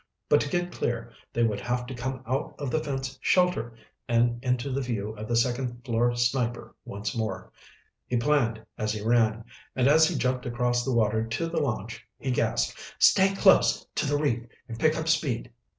But to get clear they would have to come out of the fence shelter and into the view of the second floor sniper once more. He planned as he ran, and as he jumped across the water to the launch, he gasped, "Stay close to the reef and pick up speed.